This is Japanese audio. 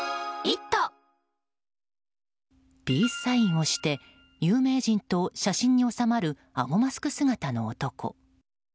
ピースサインをして有名人と写真に収まるあごマスク姿の男。